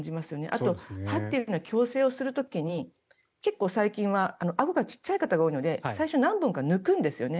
あと、歯というのは矯正をする時に最近はあごが小さい方が多いので最初に何本か抜くんですよね。